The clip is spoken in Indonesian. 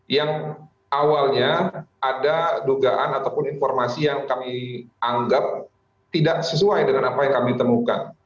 yang awalnya ada dugaan ataupun informasi yang kami anggap tidak sesuai dengan apa yang kami temukan